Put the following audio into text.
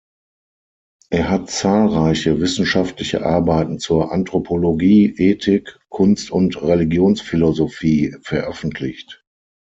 Er hat zahlreiche wissenschaftliche Arbeiten zur Anthropologie, Ethik, Kunst- und Religionsphilosophie veröffentlicht.